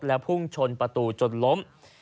แล้วพุ่งชนประตูจนล้ม